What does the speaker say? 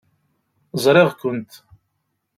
Ẓriɣ-kent.